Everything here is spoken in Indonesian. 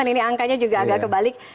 ini angkanya juga agak kebalik